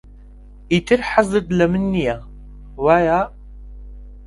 ئیتر حەزت لە من نییە، وایە؟